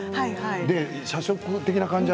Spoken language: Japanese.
社食的な感じ。